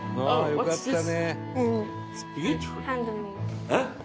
「よかったね」